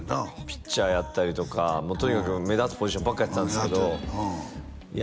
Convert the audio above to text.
ピッチャーやったりとかとにかく目立つポジションばっかやってたんですけどいや